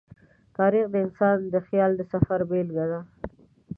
تاریخ د انسان د خیال د سفر بېلګه ده.